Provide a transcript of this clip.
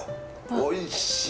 おいしい。